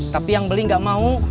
tapi yang beli nggak mau